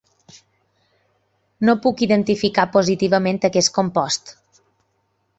No puc identificar positivament aquest compost.